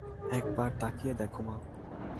একবার তাকিয়ে দেখো, মা।